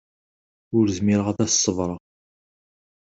Ur zmireɣ ad s-ṣebreɣ.